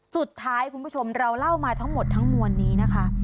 คุณผู้ชมเราเล่ามาทั้งหมดทั้งมวลนี้นะคะ